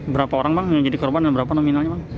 berapa orang yang menjadi korban dan berapa nominalnya